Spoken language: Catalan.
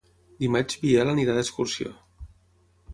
Dimarts en Biel irà d'excursió.